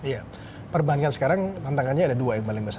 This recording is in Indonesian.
iya perbankan sekarang tantangannya ada dua yang paling besar